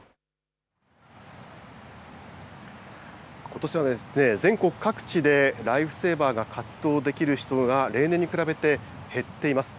ことしは全国各地で、ライフセーバーが活動できる人が、例年に比べて減っています。